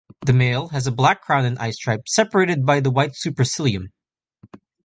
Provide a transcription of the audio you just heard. The male has a black crown and eyestripe separated by a white supercilium.